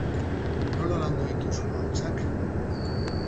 Nola landu dituzue ahotsak?